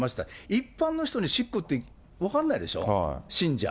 一般の人にしっくって、分かんないでしょ、信者。